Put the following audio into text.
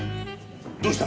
どうした？